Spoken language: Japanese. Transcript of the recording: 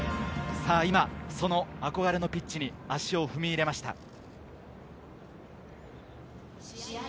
今、その憧れのピッチに足を踏み入れました。